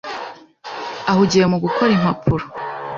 ahugiye mu gukora impapuro.